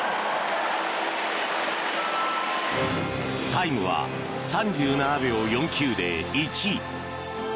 タイムは３７秒４９で１位。